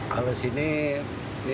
kalau sini ini lain ini rasanya